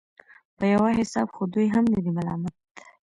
په يو حساب خو دوى هم نه دي ملامت.